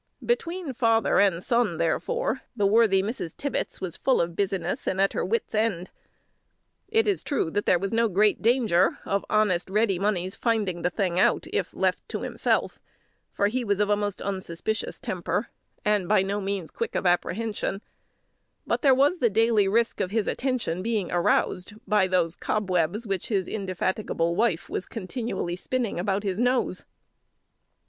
Between father and son, therefore, the worthy Mrs. Tibbets was full of business and at her wits' end. It is true that there was no great danger of honest Ready Money's finding the thing out, if left to himself; for he was of a most unsuspicious temper, and by no means quick of apprehension; but there was daily risk of his attention being aroused by those cobwebs which his indefatigable wife was continually spinning about his nose.